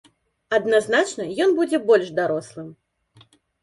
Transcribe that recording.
Адназначна ён будзе больш дарослым.